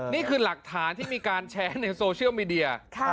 นี่คือหลักฐานที่มีการแชร์ในโซเชียลมีเดีย